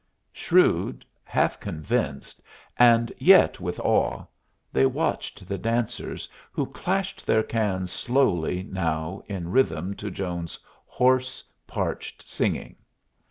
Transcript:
Shrewd, half convinced, and yet with awe, they watched the dancers, who clashed their cans slowly now in rhythm to Jones's hoarse, parched singing.